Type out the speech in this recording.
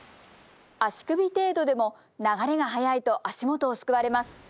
足首程度でも、流れが早いと足元をすくわれます。